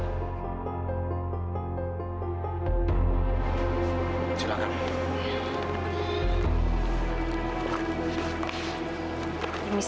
tapi saya tidak suka dengar nasihatinya